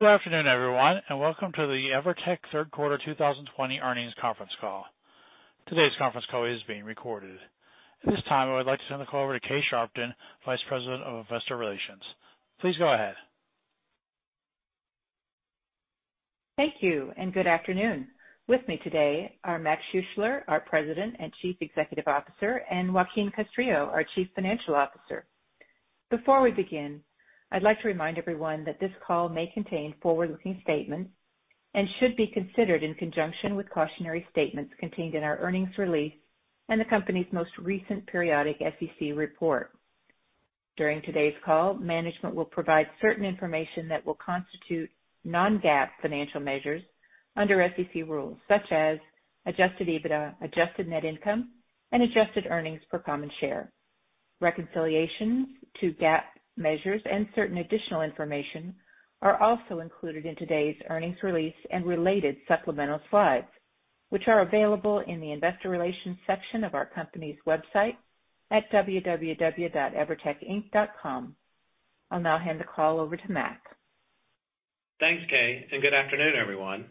Good afternoon, everyone, and welcome to the EVERTEC Q3 2020 earnings conference call. Today's conference call is being recorded. At this time, I would like to turn the call over to Kay Sharpton, Vice President of Investor Relations. Please go ahead. Thank you, and good afternoon. With me today are Mac Schuessler, our President and Chief Executive Officer, and Joaquin Castrillo, our Chief Financial Officer. Before we begin, I'd like to remind everyone that this call may contain forward-looking statements and should be considered in conjunction with cautionary statements contained in our earnings release and the company's most recent periodic SEC report. During today's call, management will provide certain information that will constitute non-GAAP financial measures under SEC rules such as adjusted EBITDA, adjusted net income, and adjusted earnings per common share. Reconciliations to GAAP measures and certain additional information are also included in today's earnings release and related supplemental slides, which are available in the investor relations section of our company's website at www.evertecinc.com. I'll now hand the call over to Mac Schuessler. Thanks, Kay. Good afternoon, everyone.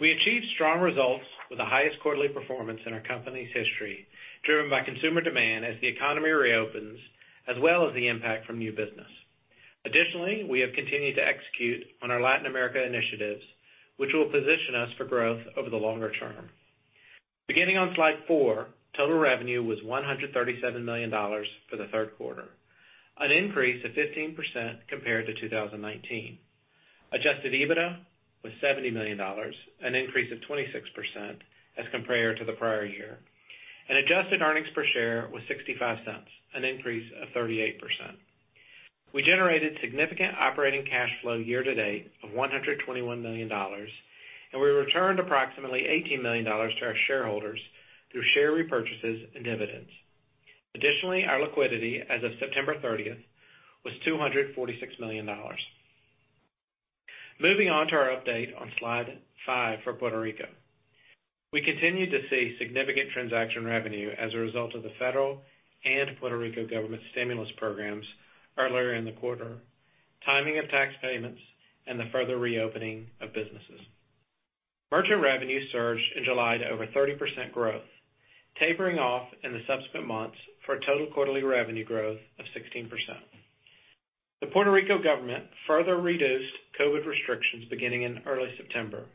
We achieved strong results with the highest quarterly performance in our company's history, driven by consumer demand as the economy reopens, as well as the impact from new business. We have continued to execute on our Latin America initiatives, which will position us for growth over the longer term. Beginning on slide 4, total revenue was $137 million for the Q3, an increase of 15% compared to 2019. Adjusted EBITDA was $70 million, an increase of 26% as compared to the prior year, and adjusted earnings per share was $0.65, an increase of 38%. We generated significant operating cash flow year to date of $121 million, and we returned approximately $18 million to our shareholders through share repurchases and dividends. Our liquidity as of September 30th was $246 million. Moving on to our update on slide 5 for Puerto Rico. We continued to see significant transaction revenue as a result of the federal and Puerto Rico government stimulus programs earlier in the quarter, timing of tax payments, and the further reopening of businesses. Merchant revenue surged in July to over 30% growth, tapering off in the subsequent months for a total quarterly revenue growth of 16%. The Puerto Rico government further reduced COVID-19 restrictions beginning in early September.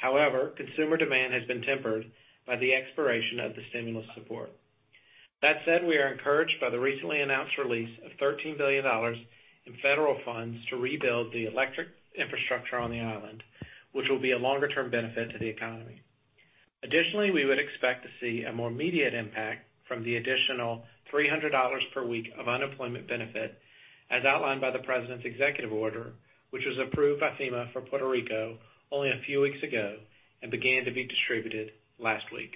Consumer demand has been tempered by the expiration of the stimulus support. That said, we are encouraged by the recently announced release of $13 billion in federal funds to rebuild the electric infrastructure on the island, which will be a longer-term benefit to the economy. Additionally, we would expect to see a more immediate impact from the additional $300 per week of unemployment benefit as outlined by the president's executive order, which was approved by FEMA for Puerto Rico only a few weeks ago and began to be distributed last week.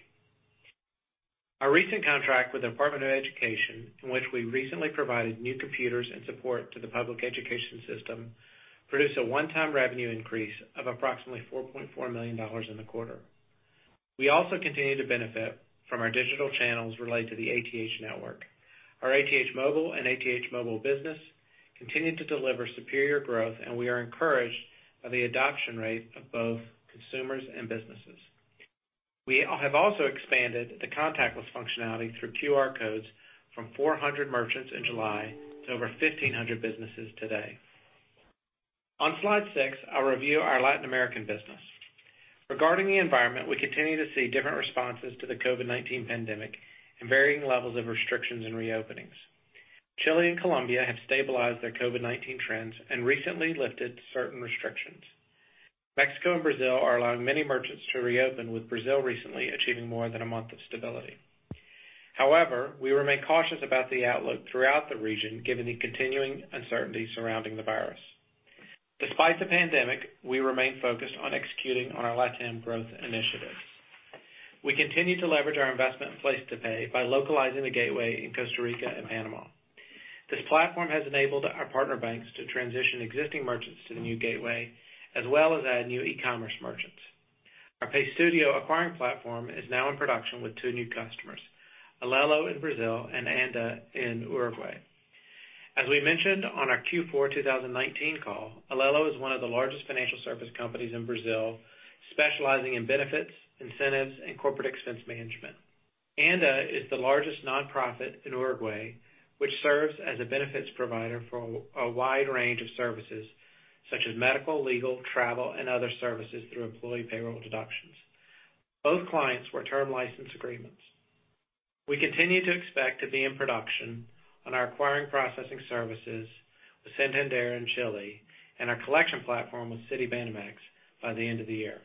Our recent contract with the Department of Education, in which we recently provided new computers and support to the public education system, produced a one-time revenue increase of approximately $4.4 million in the quarter. We also continue to benefit from our digital channels related to the ATH network. Our ATH Móvil and ATH Móvil Business continued to deliver superior growth, and we are encouraged by the adoption rate of both consumers and businesses. We have also expanded the contactless functionality through QR codes from 400 merchants in July to over 1,500 businesses today. On slide 6, I'll review our Latin American business. Regarding the environment, we continue to see different responses to the COVID-19 pandemic and varying levels of restrictions and reopenings. Chile and Colombia have stabilized their COVID-19 trends and recently lifted certain restrictions. Mexico and Brazil are allowing many merchants to reopen, with Brazil recently achieving more than a month of stability. We remain cautious about the outlook throughout the region given the continuing uncertainty surrounding the virus. Despite the pandemic, we remain focused on executing on our LatAm growth initiatives. We continue to leverage our investment in PlacetoPay by localizing the gateway in Costa Rica and Panama. This platform has enabled our partner banks to transition existing merchants to the new gateway, as well as add new e-commerce merchants. Our PayStudio acquiring platform is now in production with two new customers, Alelo in Brazil and ANDA in Uruguay. As we mentioned on our Q4 2019 call, Alelo is one of the largest financial service companies in Brazil, specializing in benefits, incentives, and corporate expense management. ANDA is the largest nonprofit in Uruguay, which serves as a benefits provider for a wide range of services such as medical, legal, travel, and other services through employee payroll deductions. Both clients were term license agreements. We continue to expect to be in production on our acquiring processing services with Santander in Chile and our collection platform with Citibanamex by the end of the year.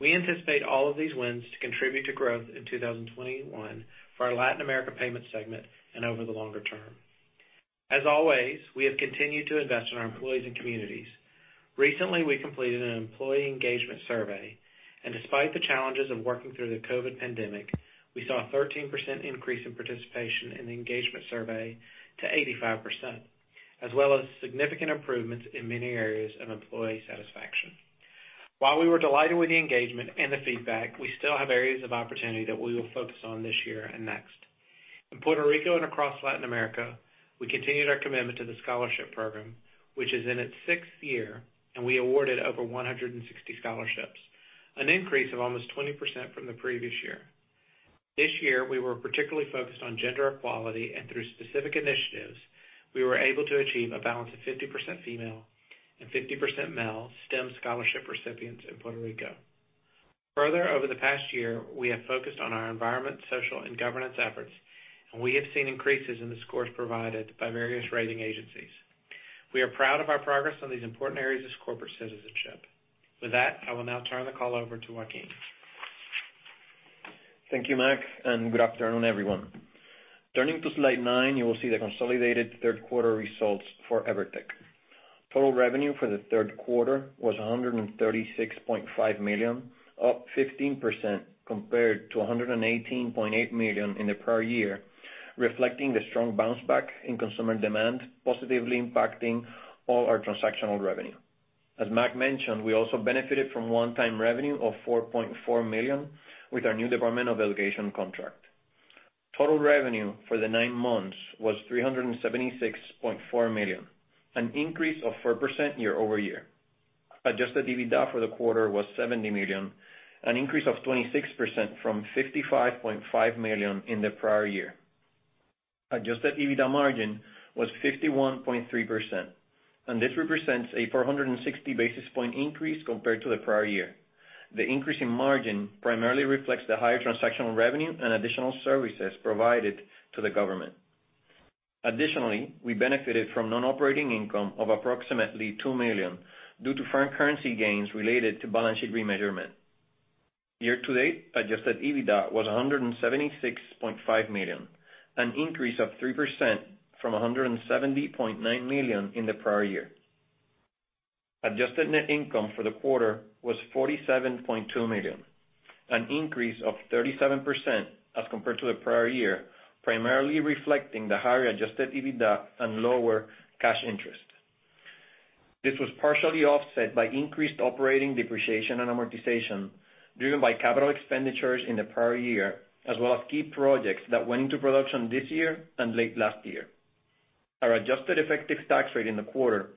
We anticipate all of these wins to contribute to growth in 2021 for our Latin America payment segment and over the longer term. As always, we have continued to invest in our employees and communities. Recently, we completed an employee engagement survey, and despite the challenges of working through the COVID-19 pandemic, we saw a 13% increase in participation in the engagement survey to 85%, as well as significant improvements in many areas of employee satisfaction. While we were delighted with the engagement and the feedback, we still have areas of opportunity that we will focus on this year and next. In Puerto Rico and across Latin America, we continued our commitment to the scholarship program, which is in its sixth year, and we awarded over 160 scholarships, an increase of almost 20% from the previous year. This year, we were particularly focused on gender equality, and through specific initiatives, we were able to achieve a balance of 50% female and 50% male STEM scholarship recipients in Puerto Rico. Further, over the past year, we have focused on our environment, social, and governance efforts, and we have seen increases in the scores provided by various rating agencies. We are proud of our progress on these important areas of corporate citizenship. With that, I will now turn the call over to Joaquin. Thank you, Mac Schuessler, good afternoon, everyone. Turning to slide 9, you will see the consolidated Q3 results for EVERTEC. Total revenue for the Q3 was $136.5 million, up 15% compared to $118.8 million in the prior year, reflecting the strong bounce back in consumer demand, positively impacting all our transactional revenue. As Mac mentioned, we also benefited from one-time revenue of $4.4 million with our new Department of Education contract. Total revenue for the nine months was $376.4 million, an increase of 4% year-over-year. Adjusted EBITDA for the quarter was $70 million, an increase of 26% from $55.5 million in the prior year. Adjusted EBITDA margin was 51.3%, this represents a 460 basis point increase compared to the prior year. The increase in margin primarily reflects the higher transactional revenue and additional services provided to the government. Additionally, we benefited from non-operating income of approximately $2 million due to foreign currency gains related to balance sheet remeasurement. Year to date, adjusted EBITDA was $176.5 million, an increase of 3% from $170.9 million in the prior year. Adjusted net income for the quarter was $47.2 million, an increase of 37% as compared to the prior year, primarily reflecting the higher adjusted EBITDA and lower cash interest. This was partially offset by increased operating depreciation and amortization driven by capital expenditures in the prior year as well as key projects that went into production this year and late last year. Our adjusted effective tax rate in the quarter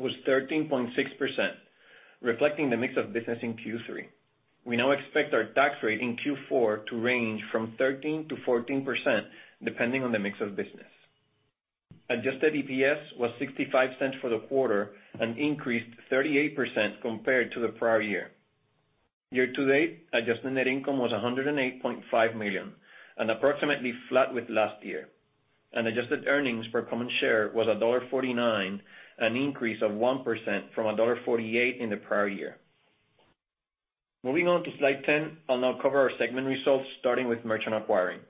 was 13.6%, reflecting the mix of business in Q3. We now expect our tax rate in Q4 to range from 13%-14%, depending on the mix of business. Adjusted EPS was $0.65 for the quarter and increased 38% compared to the prior year. Year-to-date, adjusted net income was $108.5 million and approximately flat with last year. Adjusted earnings per common share was $1.49, an increase of 1% from $1.48 in the prior year. Moving on to slide 10, I'll now cover our segment results, starting with merchant acquiring.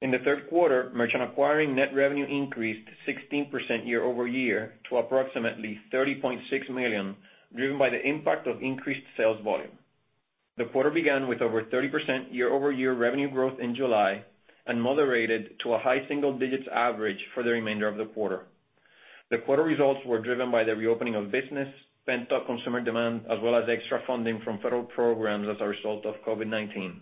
In the third quarter, merchant acquiring net revenue increased 16% year-over-year to approximately $30.6 million, driven by the impact of increased sales volume. The quarter began with over 30% year-over-year revenue growth in July and moderated to a high single digits average for the remainder of the quarter. The quarter results were driven by the reopening of business, pent-up consumer demand, as well as extra funding from federal programs as a result of COVID-19.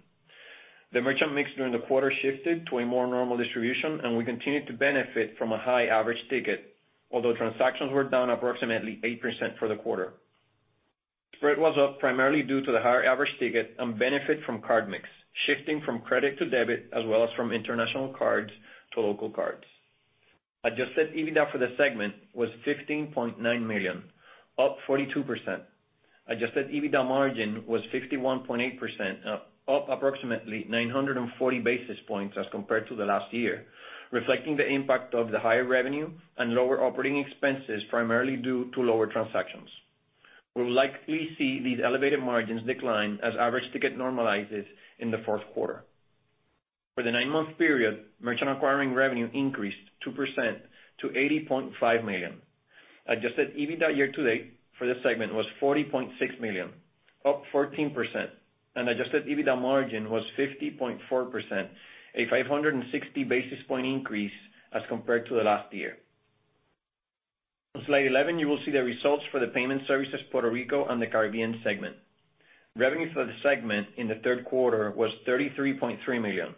The merchant mix during the quarter shifted to a more normal distribution, and we continued to benefit from a high average ticket, although transactions were down approximately 8% for the quarter. Spread was up primarily due to the higher average ticket and benefit from card mix, shifting from credit to debit, as well as from international cards to local cards. Adjusted EBITDA for the segment was $15.9 million, up 42%. Adjusted EBITDA margin was 51.8%, up approximately 940 basis points as compared to the last year, reflecting the impact of the higher revenue and lower operating expenses, primarily due to lower transactions. We'll likely see these elevated margins decline as average ticket normalizes in the Q4. For the nine-month period, merchant acquiring revenue increased 2% to $80.5 million. Adjusted EBITDA year-to-date for this segment was $40.6 million, up 14%, and adjusted EBITDA margin was 50.4%, a 560 basis point increase as compared to last year. On slide 11, you will see the results for the Payment Services Puerto Rico and the Caribbean segment. Revenue for the segment in the Q3 was $33.3 million,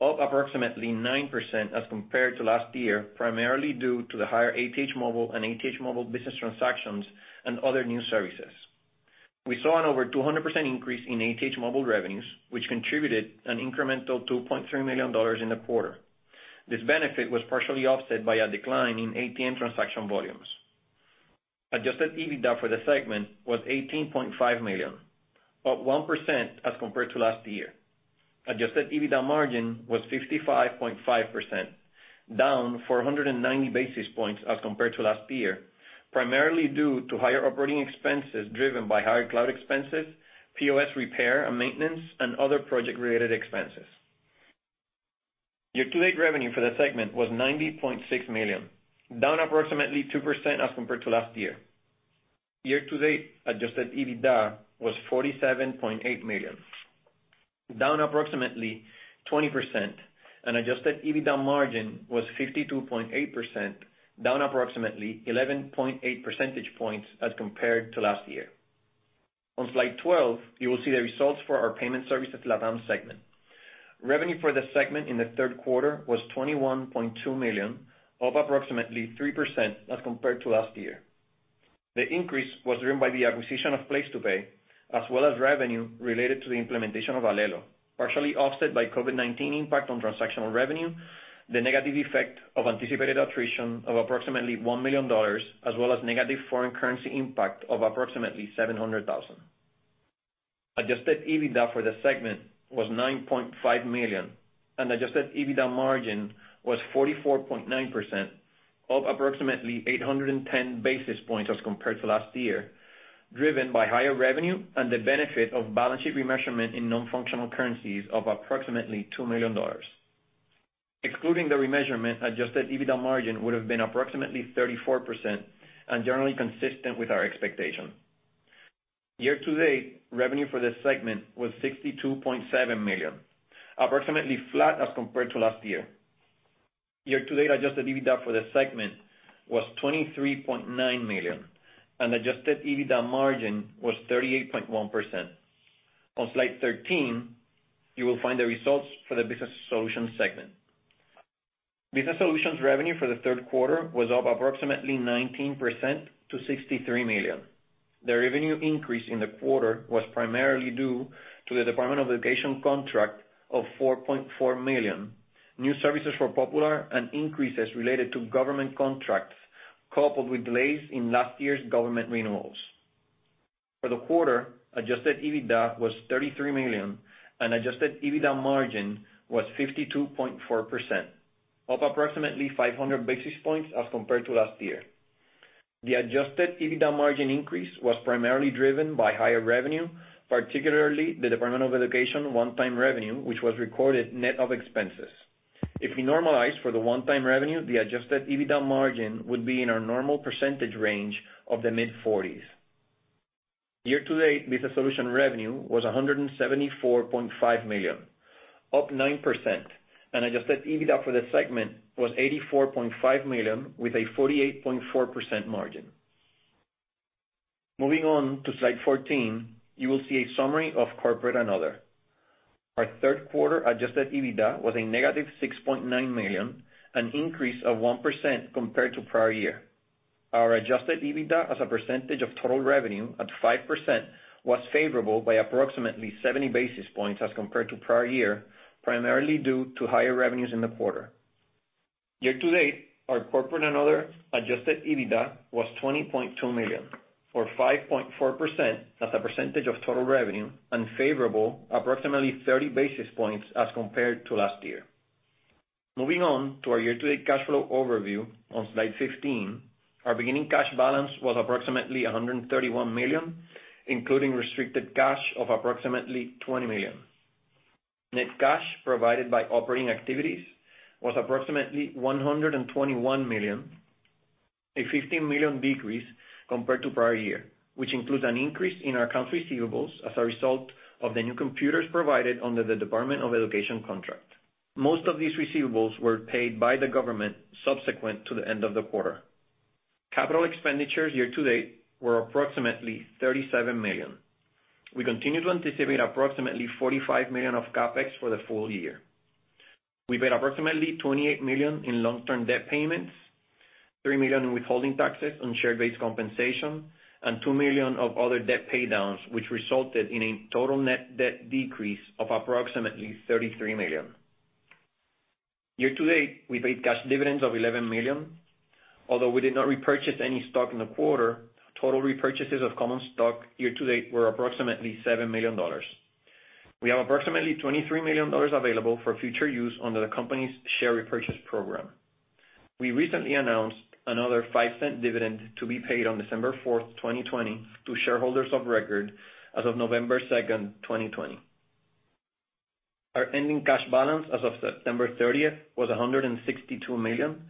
up approximately 9% as compared to last year, primarily due to the higher ATH Móvil and ATH Móvil Business transactions and other new services. We saw an over 200% increase in ATH Móvil revenues, which contributed an incremental $2.3 million in the quarter. This benefit was partially offset by a decline in ATM transaction volumes. Adjusted EBITDA for the segment was $18.5 million, up 1% as compared to last year. Adjusted EBITDA margin was 55.5%, down 490 basis points as compared to last year, primarily due to higher operating expenses driven by higher cloud expenses, POS repair and maintenance, and other project-related expenses. Year-to-date revenue for the segment was $90.6 million, down approximately 2% as compared to last year. Year-to-date adjusted EBITDA was $47.8 million, down approximately 20%, and adjusted EBITDA margin was 52.8%, down approximately 11.8 percentage points as compared to last year. On slide 12, you will see the results for our Payment Services LatAm segment. Revenue for the segment in the third quarter was $21.2 million, up approximately 3% as compared to last year. The increase was driven by the acquisition of PlacetoPay, as well as revenue related to the implementation of Alelo, partially offset by COVID-19 impact on transactional revenue, the negative effect of anticipated attrition of approximately $1 million, as well as negative foreign currency impact of approximately $700,000. Adjusted EBITDA for the segment was $9.5 million, and adjusted EBITDA margin was 44.9%, up approximately 810 basis points as compared to last year, driven by higher revenue and the benefit of balance sheet remeasurement in non-functional currencies of approximately $2 million. Excluding the remeasurement, adjusted EBITDA margin would have been approximately 34% and generally consistent with our expectation. Year-to-date, revenue for this segment was $62.7 million, approximately flat as compared to last year. Year-to-date adjusted EBITDA for the segment was $23.9 million, and adjusted EBITDA margin was 38.1%. On slide 13, you will find the results for the Business Solutions segment. Business Solutions revenue for the Q3 was up approximately 19% to $63 million. The revenue increase in the quarter was primarily due to the Department of Education contract of $4.4 million, new services for Popular, and increases related to government contracts, coupled with delays in last year's government renewals. For the quarter, adjusted EBITDA was $33 million, and adjusted EBITDA margin was 52.4%, up approximately 500 basis points as compared to last year. The adjusted EBITDA margin increase was primarily driven by higher revenue, particularly the Department of Education one-time revenue, which was recorded net of expenses. If we normalize for the one-time revenue, the adjusted EBITDA margin would be in our normal percentage range of the mid-40s. Year-to-date, Business Solution revenue was $174.5 million, up 9%, and adjusted EBITDA for the segment was $84.5 million, with a 48.4% margin. Moving on to slide 14, you will see a summary of Corporate and Other. Our Q3 adjusted EBITDA was a -$6.9 million, an increase of 1% compared to prior year. Our adjusted EBITDA as a percentage of total revenue at 5% was favorable by approximately 70 basis points as compared to prior year, primarily due to higher revenues in the quarter. Year-to-date, our Corporate and Other adjusted EBITDA was $20.2 million, or 5.4% as a percentage of total revenue, and favorable approximately 30 basis points as compared to last year. Moving on to our year-to-date cash flow overview on slide 15. Our beginning cash balance was approximately $131 million, including restricted cash of approximately $20 million. Net cash provided by operating activities was approximately $121 million, a $15 million decrease compared to prior year, which includes an increase in our accounts receivables as a result of the new computers provided under the Department of Education contract. Most of these receivables were paid by the government subsequent to the end of the quarter. Capital expenditures year-to-date were approximately $37 million. We continue to anticipate approximately $45 million of CapEx for the full year. We paid approximately $28 million in long-term debt payments, $3 million in withholding taxes on share-based compensation, and $2 million of other debt paydowns, which resulted in a total net debt decrease of approximately $33 million. Year-to-date, we paid cash dividends of $11 million. Although we did not repurchase any stock in the quarter, total repurchases of common stock year-to-date were approximately $7 million. We have approximately $23 million available for future use under the company's share repurchase program. We recently announced another $0.05 dividend to be paid on December 4th, 2020, to shareholders of record as of November 2nd, 2020. Our ending cash balance as of September 30th was $162 million,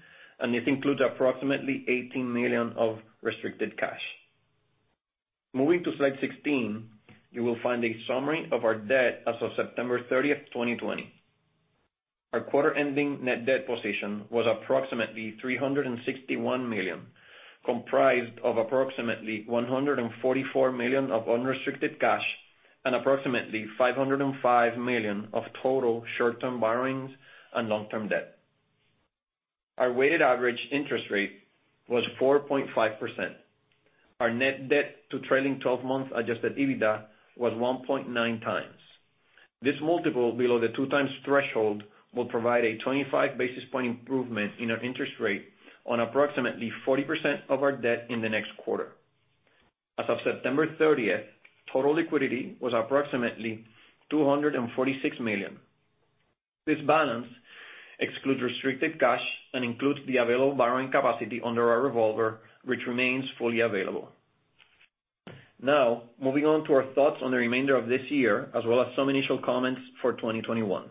and this includes approximately $18 million of restricted cash. Moving to slide 16, you will find a summary of our debt as of September 30th, 2020. Our quarter-ending net debt position was approximately $361 million, comprised of approximately $144 million of unrestricted cash and approximately $505 million of total short-term borrowings and long-term debt. Our weighted average interest rate was 4.5%. Our net debt to trailing 12 months adjusted EBITDA was 1.9x. This multiple below the 2x threshold will provide a 25 basis point improvement in our interest rate on approximately 40% of our debt in the next quarter. As of September 30th, total liquidity was approximately $246 million. This balance excludes restricted cash and includes the available borrowing capacity under our revolver, which remains fully available. Moving on to our thoughts on the remainder of this year, as well as some initial comments for 2021.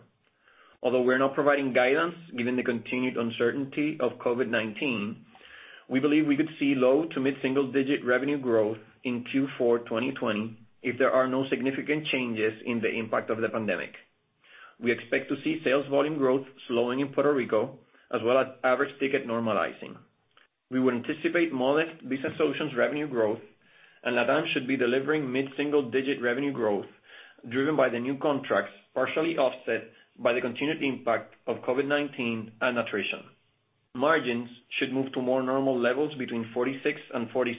Although we're not providing guidance, given the continued uncertainty of COVID-19, we believe we could see low to mid-single digit revenue growth in Q4 2020 if there are no significant changes in the impact of the pandemic. We expect to see sales volume growth slowing in Puerto Rico, as well as average ticket normalizing. We would anticipate modest Business Solutions revenue growth, LATAM should be delivering mid-single digit revenue growth driven by the new contracts, partially offset by the continued impact of COVID-19 and attrition. Margins should move to more normal levels between 46% and 47%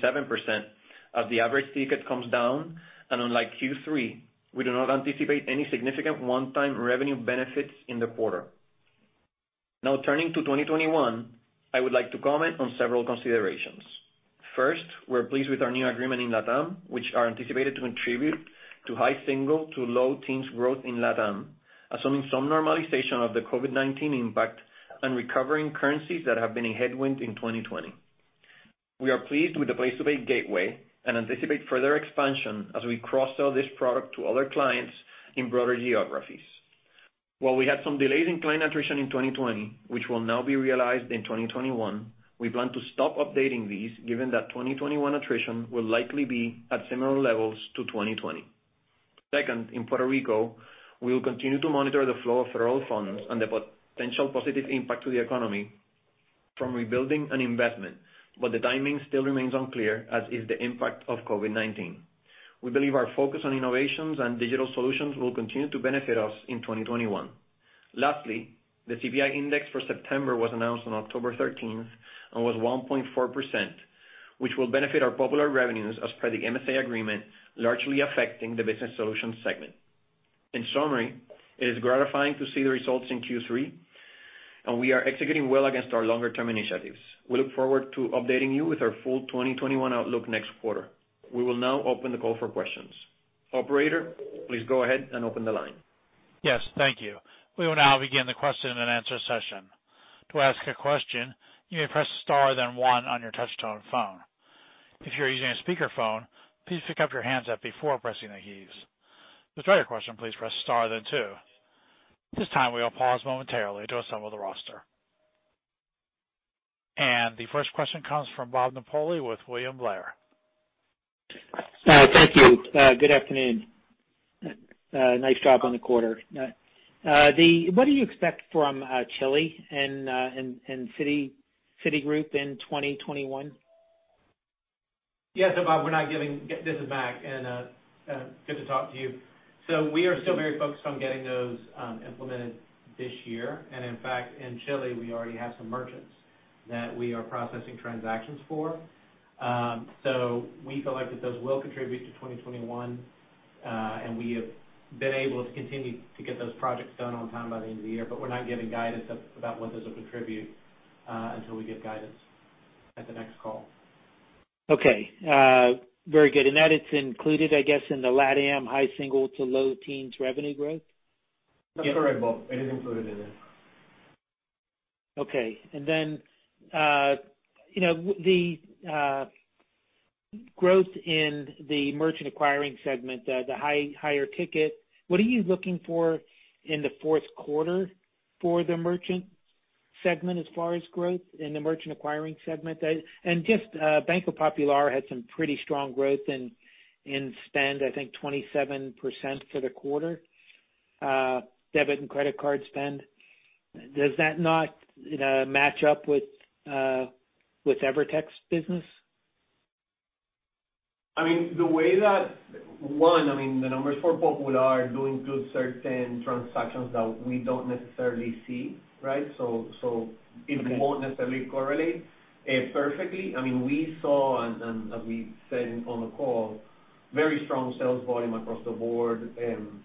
as the average ticket comes down, and unlike Q3, we do not anticipate any significant one-time revenue benefits in the quarter. Now turning to 2021, I would like to comment on several considerations. First, we're pleased with our new agreement in LATAM, which are anticipated to contribute to high single to low teens growth in LATAM, assuming some normalization of the COVID-19 impact and recovering currencies that have been a headwind in 2020. We are pleased with the PlacetoPay gateway and anticipate further expansion as we cross-sell this product to other clients in broader geographies. While we had some delays in client attrition in 2020, which will now be realized in 2021, we plan to stop updating these, given that 2021 attrition will likely be at similar levels to 2020. Second, in Puerto Rico, we will continue to monitor the flow of federal funds and the potential positive impact to the economy from rebuilding and investment. The timing still remains unclear, as is the impact of COVID-19. We believe our focus on innovations and digital solutions will continue to benefit us in 2021. Lastly, the CBI index for September was announced on October 13th and was 1.4%, which will benefit our Popular revenues as per the MSA agreement, largely affecting the Business Solutions segment. In summary, it is gratifying to see the results in Q3, and we are executing well against our longer-term initiatives. We look forward to updating you with our full 2021 outlook next quarter. We will now open the call for questions. Operator, please go ahead and open the line. Yes. Thank you. We will now begin the question and answer session. To ask a question, you may press star, then one on your touchtone phone. If you're using a speakerphone, please pick up your handset before pressing the keys. To withdraw your question, please press star then two. At this time, we will pause momentarily to assemble the roster. The first question comes from Bob Napoli with William Blair. Thank you. Good afternoon. Nice job on the quarter. What do you expect from Chile and Citigroup in 2021? Yes, Bob, this is Mac, and good to talk to you. We are still very focused on getting those implemented this year. In fact, in Chile we already have some merchants that we are processing transactions for. We feel like that those will contribute to 2021, and we have been able to continue to get those projects done on time by the end of the year. We're not giving guidance about what those will contribute until we give guidance at the next call. Okay. Very good. That is included, I guess, in the LATAM high single to low teens revenue growth? That's correct, Bob. It is included in it. Okay. The growth in the merchant acquiring segment, the higher ticket, what are you looking for in the Q4 for the merchant segment as far as growth in the merchant acquiring segment? Banco Popular had some pretty strong growth in spend, I think 27% for the quarter, debit and credit card spend. Does that not match up with EVERTEC's business? One, the numbers for Popular do include certain transactions that we don't necessarily see, right? It won't necessarily correlate perfectly. We saw, and as we said on the call, very strong sales volume across the board and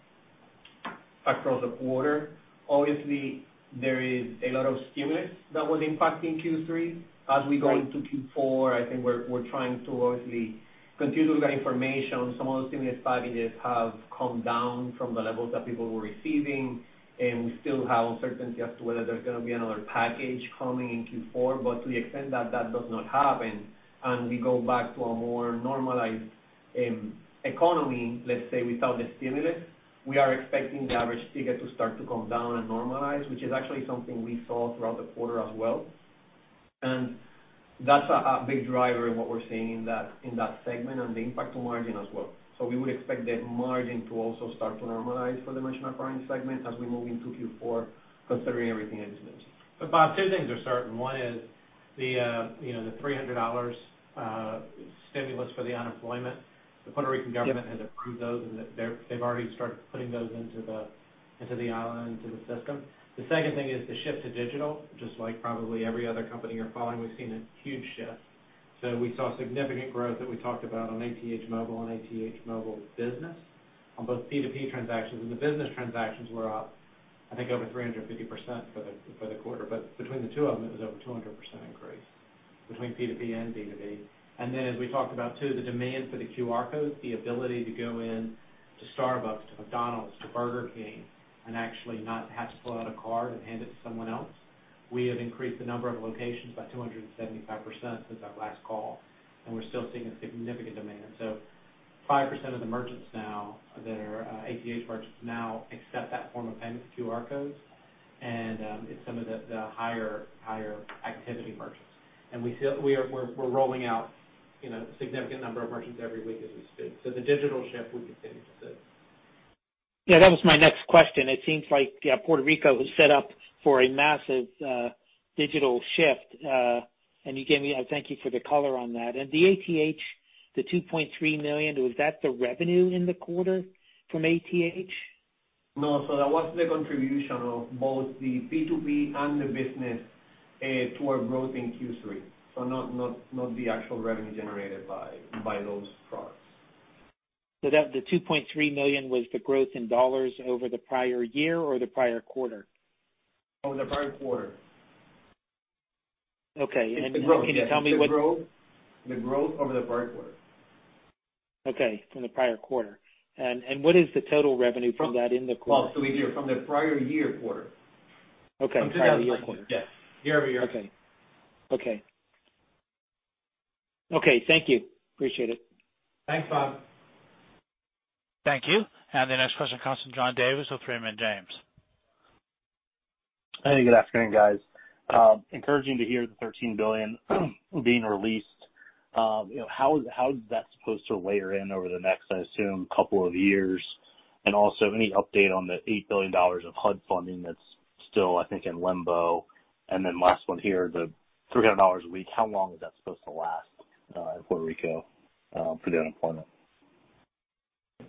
across the quarter. Obviously, there is a lot of stimulus that was impacting Q3. As we go into Q4, I think we're trying to obviously continue to look at information. Some of the stimulus packages have come down from the levels that people were receiving, and we still have uncertainty as to whether there's going to be another package coming in Q4. To the extent that does not happen and we go back to a more normalized economy, let's say without the stimulus, we are expecting the average ticket to start to come down and normalize, which is actually something we saw throughout the quarter as well. That's a big driver in what we're seeing in that segment and the impact to margin as well. We would expect the margin to also start to normalize for the merchant acquiring segment as we move into Q4, considering everything that just mentioned. Bob, two things are certain. One is the $300 stimulus for the unemployment. The Puerto Rican government has approved those, and they've already started putting those into the island, into the system. The second thing is the shift to digital, just like probably every other company you're following, we've seen a huge shift. We saw significant growth that we talked about on ATH Móvil and ATH Móvil Business on both P2P transactions. The business transactions were up, I think over 350% for the quarter. Between the two of them, it was over 200% increase between P2P and B2B. As we talked about too, the demand for the QR codes, the ability to go in to Starbucks, to McDonald's, to Burger King, and actually not have to pull out a card and hand it to someone else. We have increased the number of locations by 275% since our last call, and we're still seeing a significant demand. 5% of the merchants now that are ATH merchants now accept that form of payment, the QR codes, and it's some of the higher activity merchants. We're rolling out a significant number of merchants every week as we speak. The digital shift will continue to shift. Yeah, that was my next question. It seems like Puerto Rico is set up for a massive digital shift. I thank you for the color on that. The ATH, the $2.3 million, was that the revenue in the quarter from ATH? No. That was the contribution of both the B2B and the business toward growth in Q3. Not the actual revenue generated by those products. The $2.3 million was the growth in dollars over the prior year or the prior quarter? Over the prior quarter. Okay. Can you tell me about the growth? The growth over the prior quarter. Okay. From the prior quarter. What is the total revenue from that in the quarter? Well, either from the prior year quarter. Okay. Prior year quarter. Yes. Year-over-year. Okay. Thank you. Appreciate it. Thanks, Bob. Thank you. The next question comes from John Davis with Raymond James. Hey, good afternoon, guys. Encouraging to hear the $13 billion being released. How is that supposed to layer in over the next, I assume, couple of years? Also, any update on the $8 billion of HUD funding that's still, I think, in limbo? Last one here, the $300 a week, how long is that supposed to last in Puerto Rico for the unemployment?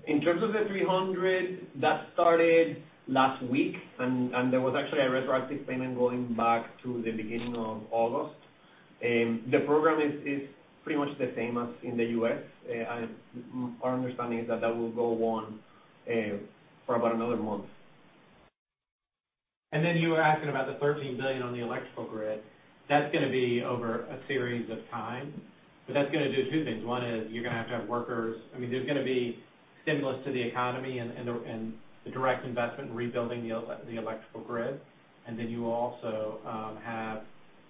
In terms of the $300, that started last week, and there was actually a retroactive payment going back to the beginning of August. The program is pretty much the same as in the U.S. Our understanding is that that will go on for about another month. You were asking about the $13 billion on the electrical grid. That's going to be over a series of time. That's going to do two things. One is you're going to have to have workers. I mean, there's going to be stimulus to the economy and the direct investment in rebuilding the electrical grid. You also have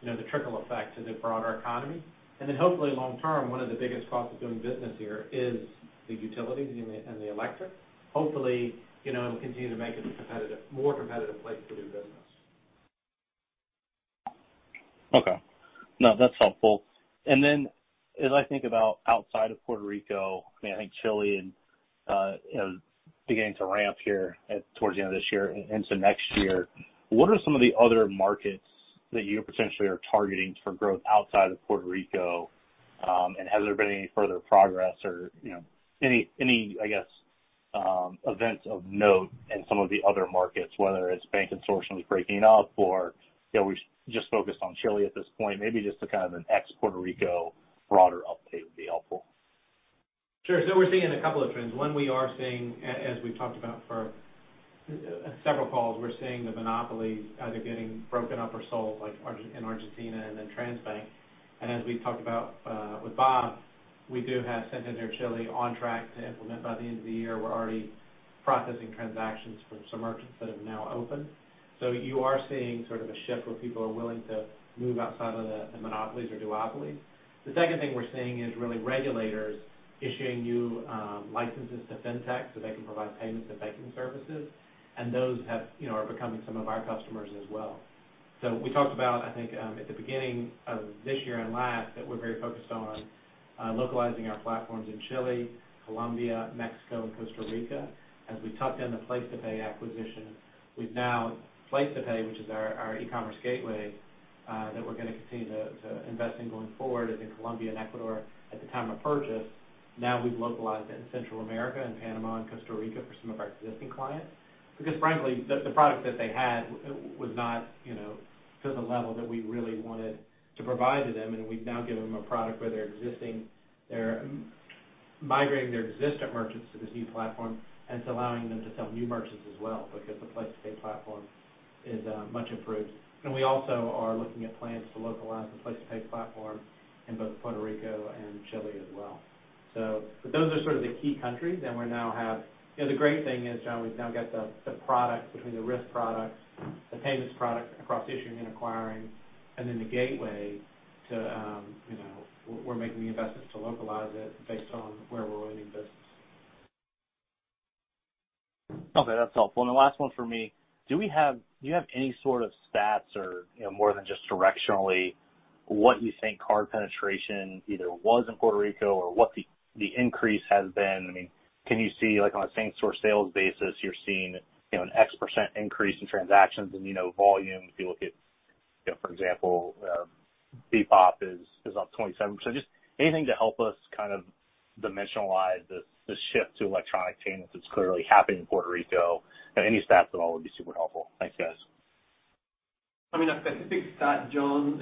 the trickle effect to the broader economy. Hopefully long term, one of the biggest costs of doing business here is the utilities and the electric. Hopefully, it'll continue to make it a more competitive place to do business. Okay. No, that's helpful. As I think about outside of Puerto Rico, I think Chile is beginning to ramp here towards the end of this year into next year. What are some of the other markets that you potentially are targeting for growth outside of Puerto Rico? Has there been any further progress or any, I guess, events of note in some of the other markets, whether it's bank consortiums breaking up or are we just focused on Chile at this point? Maybe just a kind of an ex-Puerto Rico broader update would be helpful. Sure. We're seeing a couple of trends. One, we are seeing, as we've talked about for several calls, we're seeing the monopolies either getting broken up or sold like in Argentina and then Transbank. As we talked about with Bob, we do have Santander Chile on track to implement by the end of the year. We're already processing transactions for some merchants that have now opened. You are seeing sort of a shift where people are willing to move outside of the monopolies or duopolies. The second thing we're seeing is really regulators issuing new licenses to fintech so they can provide payments and banking services. Those are becoming some of our customers as well. We talked about, I think, at the beginning of this year and last, that we're very focused on localizing our platforms in Chile, Colombia, Mexico, and Costa Rica. As we tucked in the PlacetoPay acquisition, PlacetoPay, which is our e-commerce gateway that we're going to continue to invest in going forward in Colombia and Ecuador at the time of purchase. Now we've localized it in Central America and Panama and Costa Rica for some of our existing clients because frankly, the product that they had was not to the level that we really wanted to provide to them. We've now given them a product where they're migrating their existing merchants to this new platform, and it's allowing them to sell new merchants as well because the PlacetoPay platform is much improved. We also are looking at plans to localize the PlacetoPay platform in both Puerto Rico and Chile as well. Those are sort of the key countries. The great thing is, John, we've now got the products between the risk products, the payments product across issuing and acquiring, and then the gateway we're making the investments to localize it based on where we're winning business. Okay, that's helpful. The last one for me, do you have any sort of stats or more than just directionally what you think card penetration either was in Puerto Rico or what the increase has been? I mean, can you see like on a same store sales basis, you're seeing an X% increase in transactions and volume if you look at, for example, BPOP is up 27. Just anything to help us kind of dimensionalize the shift to electronic payments that's clearly happening in Puerto Rico. Any stats at all would be super helpful. Thanks, guys. I mean, a specific stat, John,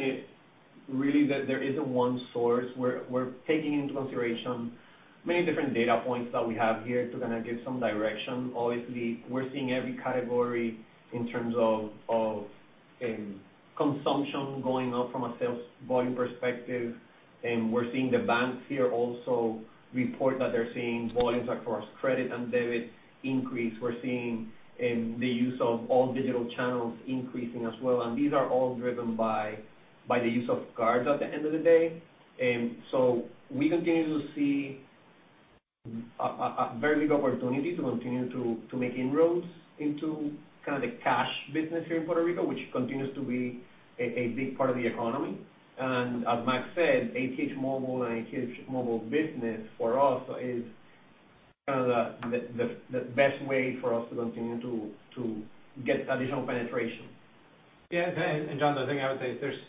really there isn't one source. We're taking into consideration many different data points that we have here to kind of give some direction. Obviously, we're seeing every category in terms of consumption going up from a sales volume perspective, and we're seeing the banks here also report that they're seeing volumes across credit and debit increase. We're seeing the use of all digital channels increasing as well. These are all driven by the use of cards at the end of the day. We continue to see a very big opportunity to continue to make inroads into kind of the cash business here in Puerto Rico, which continues to be a big part of the economy. As Mac said, ATH Móvil and ATH Móvil Business for us is kind of the best way for us to continue to get additional penetration. Yeah. John, the thing I would say is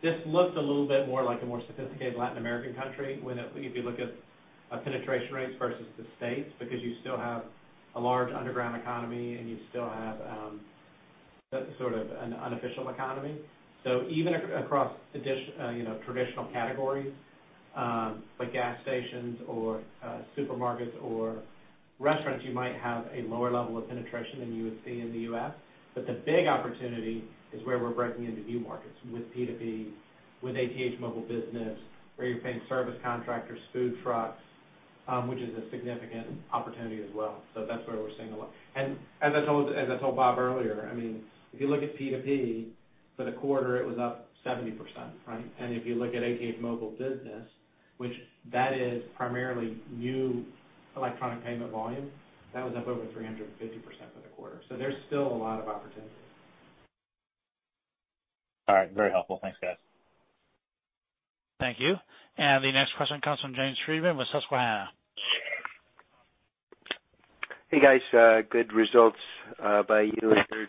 this looks a little bit more like a more sophisticated Latin American country if you look at penetration rates versus the States, because you still have a large underground economy, and you still have sort of an unofficial economy. Even across traditional categories, like gas stations or supermarkets or restaurants, you might have a lower level of penetration than you would see in the U.S. The big opportunity is where we're breaking into new markets with P2P, with ATH Móvil Business, where you're paying service contractors, food trucks, which is a significant opportunity as well. That's where we're seeing a lot. As I told Bob earlier, if you look at P2P for the quarter, it was up 70%, right? If you look at ATH Móvil Business, which that is primarily new electronic payment volume, that was up over 350% for the quarter. There's still a lot of opportunities. All right. Very helpful. Thanks, guys. Thank you. The next question comes from James Friedman with Susquehanna. Hey, guys. Good results by you and your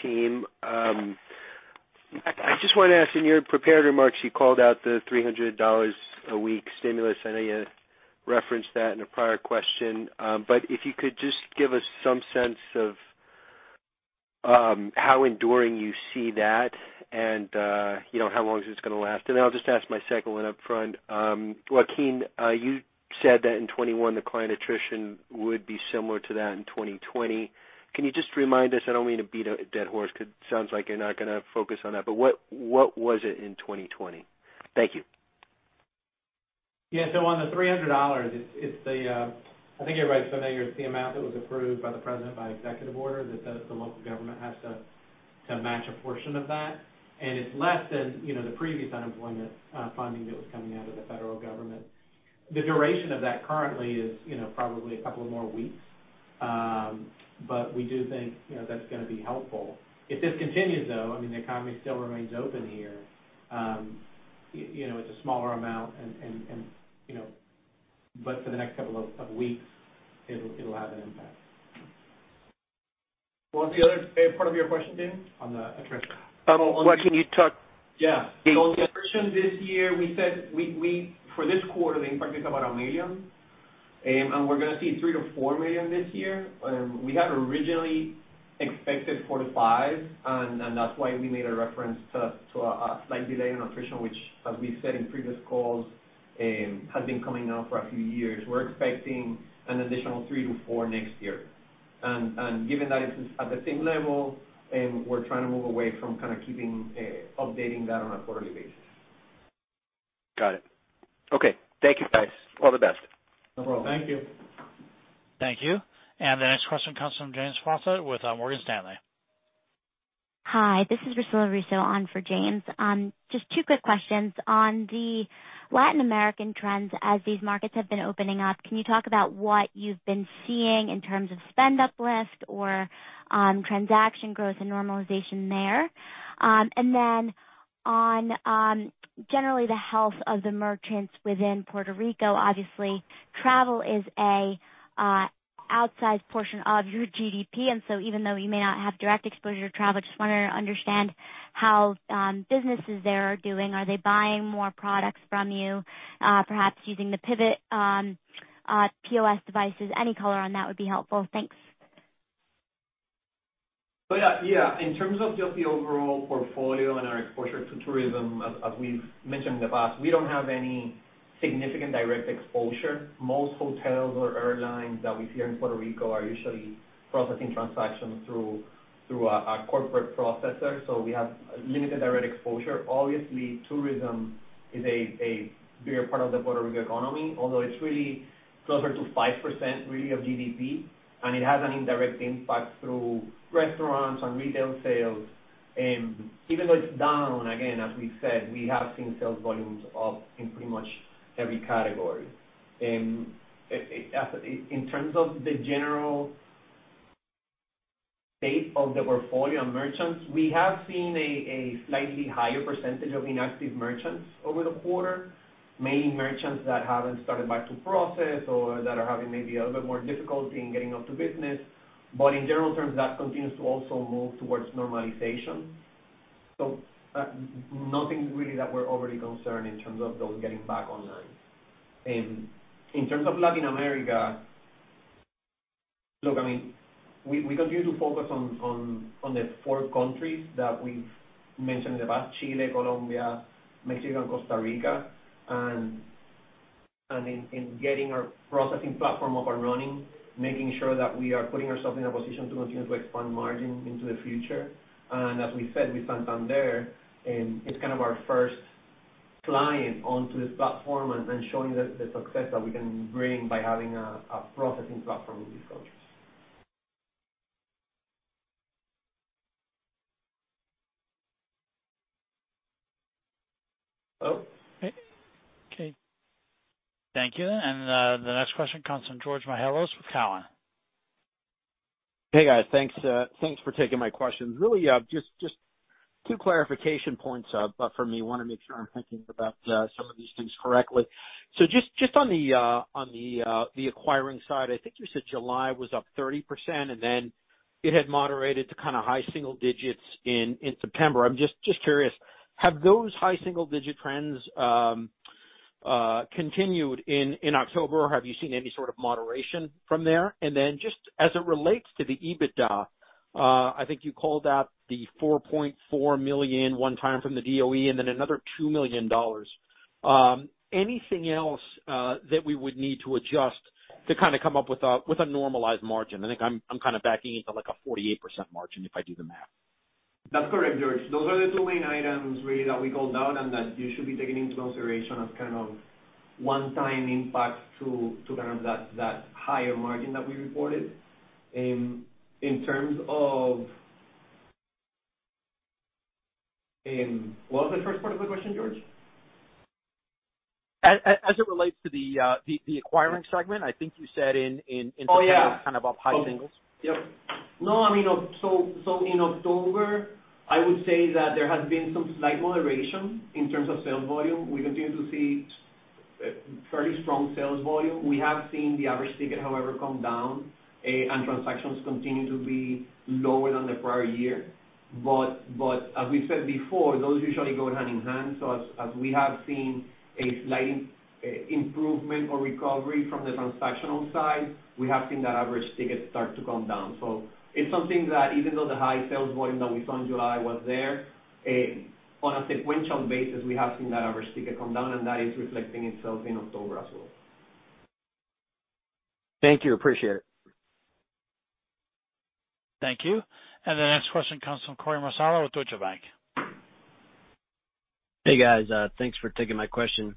team. I just want to ask, in your prepared remarks, you called out the $300 a week stimulus. I know you referenced that in a prior question. If you could just give us some sense of how enduring you see that and how long is this going to last. I'll just ask my second one upfront. Joaquin, you said that in 2021 the client attrition would be similar to that in 2020. Can you just remind us, I don't mean to beat a dead horse because sounds like you're not going to focus on that, but what was it in 2020? Thank you. On the $300, I think everybody's familiar with the amount that was approved by the president by executive order that says the local government has to match a portion of that. It's less than the previous unemployment funding that was coming out of the federal government. The duration of that currently is probably a couple of more weeks. We do think that's going to be helpful. If this continues, though, the economy still remains open here. It's a smaller amount but for the next couple of weeks, it'll have an impact. What's the other part of your question, James? On the attrition. On attrition. Yeah. Attrition this year, we said for this quarter, the impact is about $1 million, and we're going to see $3 million-$4 million this year. We had originally expected $4 million-$5 million, and that's why we made a reference to a slight delay in attrition, which as we've said in previous calls, has been coming now for a few years. We're expecting an additional $3 million-$4 million next year. Given that it's at the same level and we're trying to move away from kind of keeping updating that on a quarterly basis. Got it. Okay. Thank you, guys. All the best. No problem. Thank you. Thank you. The next question comes from James Faucette with Morgan Stanley. Hi, this is Priscilla Russo on for James. Just two quick questions. On the Latin American trends, as these markets have been opening up, can you talk about what you've been seeing in terms of spend uplift or transaction growth and normalization there? Then on generally the health of the merchants within Puerto Rico, obviously travel is a outsized portion of your GDP, so even though you may not have direct exposure to travel, just wanted to understand how businesses there are doing. Are they buying more products from you perhaps using the PVOT POS devices? Any color on that would be helpful. Thanks In terms of just the overall portfolio and our exposure to tourism, as we've mentioned in the past, we don't have any significant direct exposure. Most hotels or airlines that we see here in Puerto Rico are usually processing transactions through a corporate processor. We have limited direct exposure. Obviously, tourism is a bigger part of the Puerto Rico economy, although it's really closer to 5% really of GDP, and it has an indirect impact through restaurants and retail sales. Even though it's down, again, as we've said, we have seen sales volumes up in pretty much every category. In terms of the general state of the portfolio and merchants, we have seen a slightly higher percentage of inactive merchants over the quarter, mainly merchants that haven't started back to process or that are having maybe a little bit more difficulty in getting up to business. In general terms, that continues to also move towards normalization. Nothing really that we're overly concerned in terms of those getting back online. In terms of Latin America, look, we continue to focus on the four countries that we've mentioned in the past, Chile, Colombia, Mexico, and Costa Rica, and in getting our processing platform up and running, making sure that we are putting ourselves in a position to continue to expand margin into the future. As we said, we signed on there, it's kind of our first client onto this platform and showing the success that we can bring by having a processing platform in these countries. Hello? Okay. Thank you. The next question comes from George Mihalos with Cowen. Hey, guys. Thanks for taking my questions. Really just two clarification points from me. I want to make sure I'm thinking about some of these things correctly. Just on the acquiring side, I think you said July was up 30%, and then it had moderated to high single digits in September. I'm just curious, have those high single-digit trends continued in October, or have you seen any sort of moderation from there? Just as it relates to the EBITDA, I think you called out the $4.4 million one time from the DOE and then another $2 million. Anything else that we would need to adjust to come up with a normalized margin? I think I'm backing into a 48% margin if I do the math. That's correct, George. Those are the two main items really that we called out and that you should be taking into consideration as one-time impacts to that higher margin that we reported. What was the first part of the question, George? As it relates to the acquiring segment, I think you said in September- Oh, yeah. -it was up high singles. Yep. No, in October, I would say that there has been some slight moderation in terms of sales volume. We continue to see fairly strong sales volume. We have seen the average ticket, however, come down, and transactions continue to be lower than the prior year. As we said before, those usually go hand-in-hand. As we have seen a slight improvement or recovery from the transactional side, we have seen that average ticket start to come down. It's something that even though the high sales volume that we saw in July was there, on a sequential basis, we have seen that average ticket come down, and that is reflecting itself in October as well. Thank you. Appreciate it. Thank you. The next question comes from Korey Marcello with Deutsche Bank. Hey, guys. Thanks for taking my question.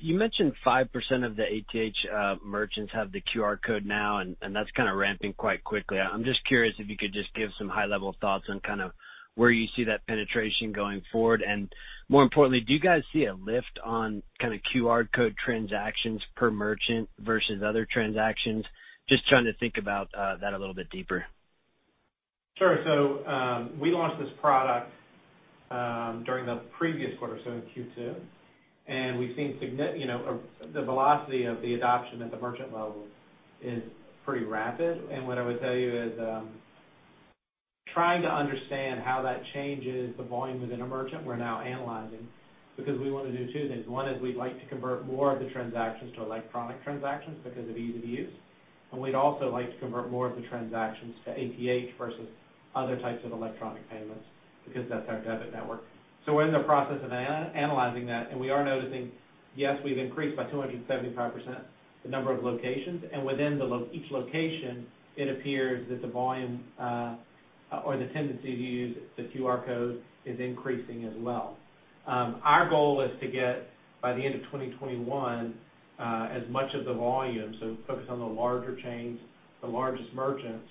You mentioned 5% of the ATH merchants have the QR code now. That's ramping quite quickly. I'm just curious if you could just give some high-level thoughts on where you see that penetration going forward. More importantly, do you guys see a lift on QR code transactions per merchant versus other transactions? Just trying to think about that a little bit deeper. Sure. We launched this product during the previous quarter, in Q2, and we've seen the velocity of the adoption at the merchant level is pretty rapid. What I would tell you is trying to understand how that changes the volume within a merchant we're now analyzing because we want to do two things. One is we'd like to convert more of the transactions to electronic transactions because of ease of use, and we'd also like to convert more of the transactions to ATH versus other types of electronic payments because that's our debit network. We're in the process of analyzing that, and we are noticing, yes, we've increased by 275% the number of locations, and within each location, it appears that the volume or the tendency to use the QR code is increasing as well. Our goal is to get by the end of 2021 as much of the volume, so focus on the larger chains, the largest merchants,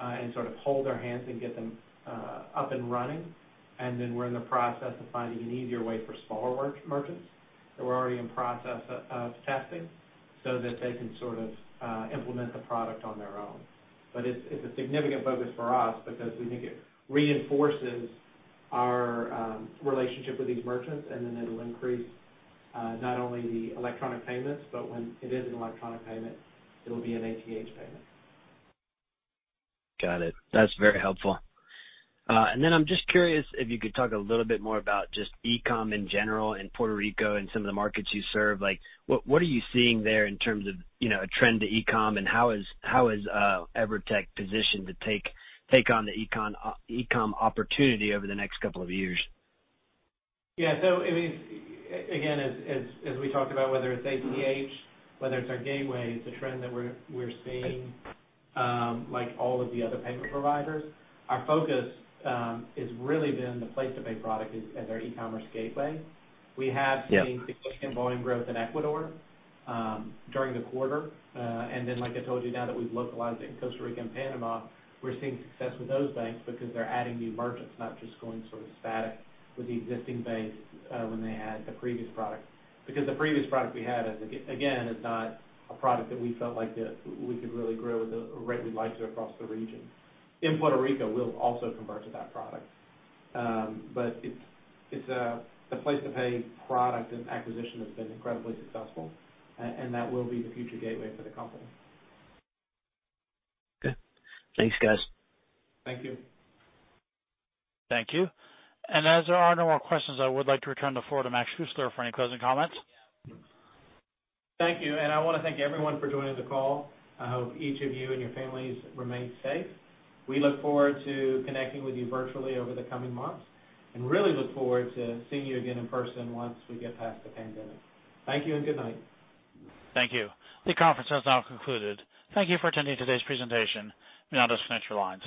and sort of hold their hands and get them up and running. Then we're in the process of finding an easier way for smaller merchants that we're already in process of testing so that they can sort of implement the product on their own. It's a significant focus for us because we think it reinforces our relationship with these merchants and then it'll increase not only the electronic payments, but when it is an electronic payment, it'll be an ATH payment. Got it. That's very helpful. I'm just curious if you could talk a little bit more about just e-com in general in Puerto Rico and some of the markets you serve. What are you seeing there in terms of a trend to e-com and how is EVERTEC positioned to take on the e-com opportunity over the next couple of years? Yeah. Again, as we talked about whether it's ATH, whether it's our gateway, it's a trend that we're seeing like all of the other payment providers. Our focus has really been the PlacetoPay product as our e-commerce gateway. We have seen. Yeah significant volume growth in Ecuador during the quarter. Then like I told you now that we've localized it in Costa Rica and Panama, we're seeing success with those banks because they're adding new merchants, not just going sort of static with the existing base when they had the previous product. Because the previous product we had, again, is not a product that we felt like that we could really grow at the rate we'd like to across the region. In Puerto Rico, we'll also convert to that product. The PlacetoPay product and acquisition has been incredibly successful and that will be the future gateway for the company. Okay. Thanks, guys. Thank you. Thank you. As there are no more questions, I would like to return the floor to Mac Schuessler for any closing comments. Thank you. I want to thank everyone for joining the call. I hope each of you and your families remain safe. We look forward to connecting with you virtually over the coming months and really look forward to seeing you again in person once we get past the pandemic. Thank you and good night. Thank you. The conference has now concluded. Thank you for attending today's presentation. You may disconnect your lines.